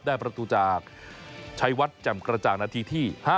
ได้ประตูจากชัยวัดจำกระจ่างณที่๕